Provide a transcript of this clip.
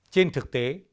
trên thực tế